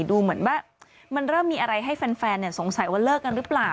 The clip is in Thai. ดูเหมือนว่ามันเริ่มมีอะไรให้แฟนสงสัยว่าเลิกกันหรือเปล่า